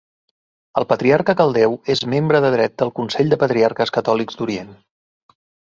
El patriarca caldeu és membre de dret del Consell de patriarques catòlics d'orient.